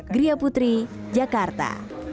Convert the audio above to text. gria putri jakarta